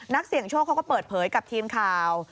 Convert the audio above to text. นักเสี่ยงโชคเขาก็เปิดเผยกับทีมข่าว